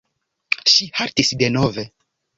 Ŝi haltis denove.